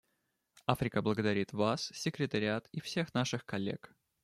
Африка благодарит Вас, Секретариат и всех наших коллег.